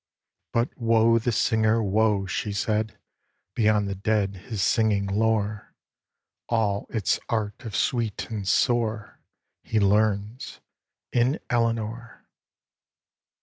"But woe the singer, woe!" she said; "beyond the dead his singing lore, All its art of sweet and sore, He learns, in Elenore!"